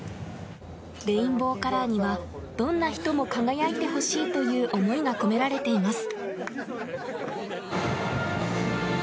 レインボーカラーにはどんな人も輝いてほしいという思いが込められています